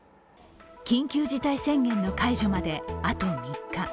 緊急事態宣言の解除まで、あと３日。